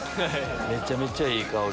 めちゃめちゃいい香り。